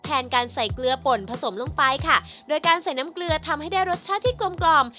แทนการใส่เกลือป่นผสมลงไปค่ะโดยการใส่น้ำเกลือทำให้ได้รสชาติที่กลมกล่อม